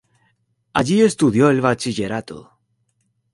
Allí estudió el bachillerato.